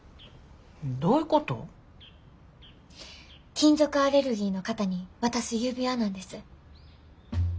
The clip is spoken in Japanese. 金属アレルギーの方に渡す指輪なんです。